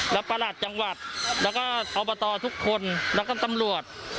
และประหลัดจังหวัดแล้วก็อบตทุกคนแล้วก็ตำรวจ